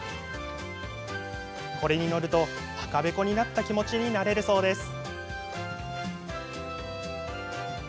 これに乗ると赤べこになった気持ちになれるそうです。